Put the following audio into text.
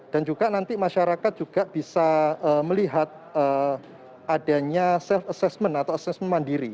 dan juga nanti masyarakat juga bisa melihat adanya self assessment atau assessment mandiri